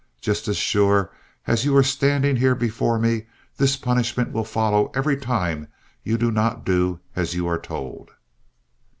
Just as sure as you are standing here before me this punishment will follow every time you do not do as you are told."